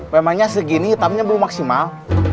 memangnya segini hitamnya belum maksimal